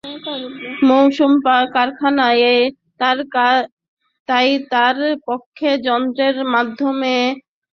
মৌসুমি কারখানা, তাই তার পক্ষে যন্ত্রের মাধ্যমে খামির করা সম্ভব হচ্ছে না।